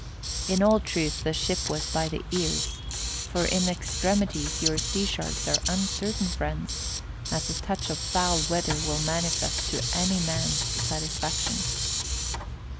In all truth the ship was by the ears, for in extremities your sea sharks are uncertain friends, as a touch of foul weather will manifest to any man's satisfaction.